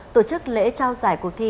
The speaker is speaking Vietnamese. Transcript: tổ chức lễ trao giải cuộc thi